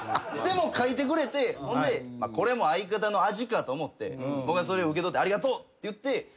でも書いてくれてほんでこれも相方の味かと思って僕はそれを受け取ってありがとうって言って。